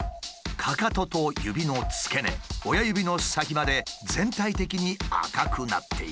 かかとと指の付け根親指の先まで全体的に赤くなっている。